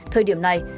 thời điểm này